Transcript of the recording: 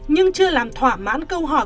nhưng chưa làm thỏa mãn câu hỏi